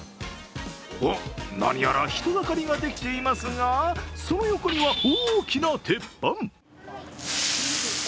おっ、何やら人だかりができていますが、その横には、大きな鉄板。